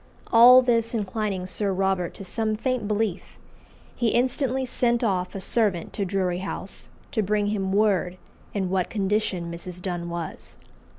All this inclining Sir Robert to some faint belief, he instantly sent off a servant to Drury House to bring him word in what condition Mrs. Donne was.